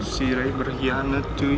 si ray berkhianat cuy